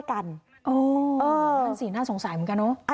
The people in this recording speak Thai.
อ๋อนั่นสิน่าสงสัยเหมือนกัน